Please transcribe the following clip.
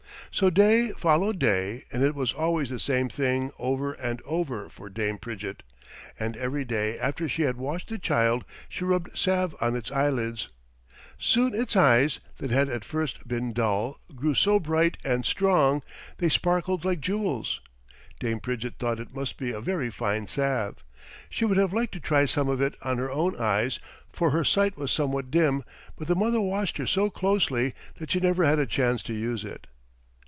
So day followed day, and it was always the same thing over and over for Dame Pridgett, and every day after she had washed the child she rubbed salve on its eyelids. Soon its eyes, that had at first been dull, grew so bright and strong they sparkled like jewels. Dame Pridgett thought it must be a very fine salve. She would have liked to try some of it on her own eyes, for her sight was somewhat dim, but the mother watched her so closely that she never had a chance to use it.